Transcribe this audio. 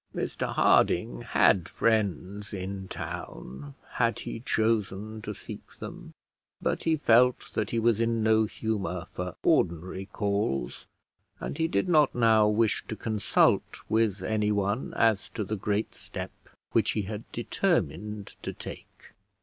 Mr Harding had friends in town had he chosen to seek them; but he felt that he was in no humour for ordinary calls, and he did not now wish to consult with anyone as to the great step which he had determined to take.